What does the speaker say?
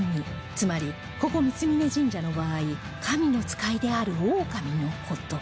つまりここ三峯神社の場合神の使いであるオオカミの事